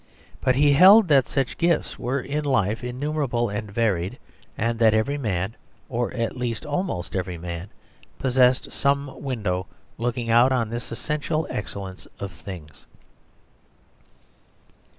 But he held that such gifts were in life innumerable and varied, and that every man, or at least almost every man, possessed some window looking out on this essential excellence of things.